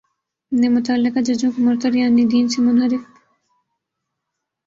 نے متعلقہ ججوں کو مرتد یعنی دین سے منحرف